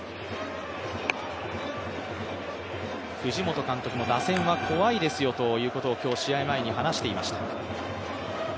藤本監督も打線は怖いですよということを、今日試合前に話していました。